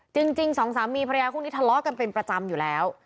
จริง๒๓มีพระยาคุณทะเลาะกันเป็นประจำอยู่แล้ว